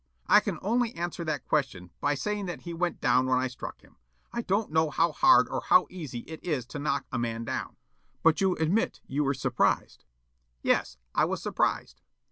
Yollop: "I can only answer that question by saying that he went down when I struck him. I don't know how hard or how easy it is to knock a man down." Counsel: "But you admit you were surprised?" Yollop: "Yes. I was surprised."